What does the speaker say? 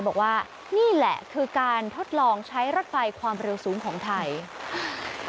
บอกว่านี่แหละคือการทดลองใช้รถไฟความเร็วสูงของไทย